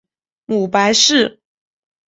母白氏。